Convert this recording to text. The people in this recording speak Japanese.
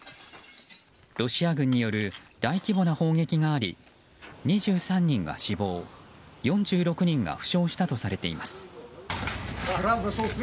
ロシア軍による大規模な砲撃があり２３人が死亡４６人が負傷したとされています。